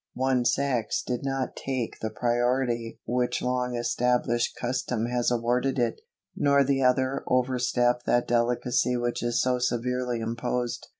One sex did not take the priority which long established custom has awarded it, nor the other overstep that delicacy which is so severely imposed.